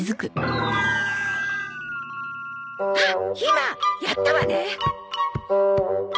あっひまやったわね。